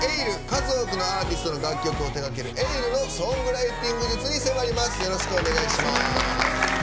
数多くのアーティストの楽曲を手がけるｅｉｌｌのソングライティング術に迫ります。